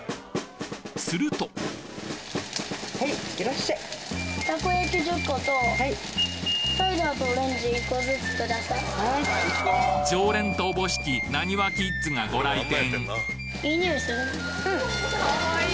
すると常連とおぼしきナニワキッズがご来店